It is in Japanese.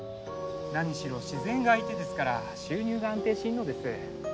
何しろ自然が相手ですから収入が安定しんのです。